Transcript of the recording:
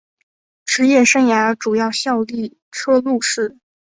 职业生涯主要效力车路士。